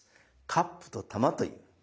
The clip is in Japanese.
カップと玉という。